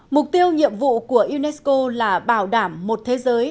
mục tiêu nhiệm vụ của unesco là bảo đảm một thế giới